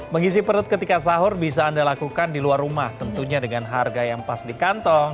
mengisi perut ketika sahur bisa anda lakukan di luar rumah tentunya dengan harga yang pas di kantong